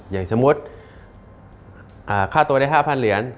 อย่างสมมุติค่าตัวได้๕๐๐เหรียญ